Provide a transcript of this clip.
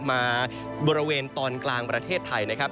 บริเวณตอนกลางประเทศไทยนะครับ